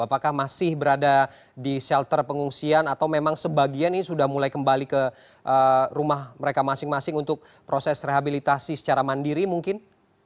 apakah masih berada di shelter pengungsian atau memang sebagian ini sudah mulai kembali ke rumah mereka masing masing untuk proses rehabilitasi secara mandiri mungkin